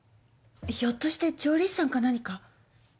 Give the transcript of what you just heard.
ひょっとして調理師さんか何か？